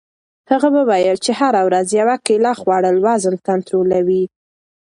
هغه وویل چې هره ورځ یوه کیله خوړل وزن کنټرولوي.